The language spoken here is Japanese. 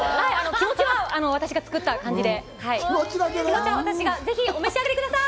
気持ちは私が作った感じで是非お召し上がりください！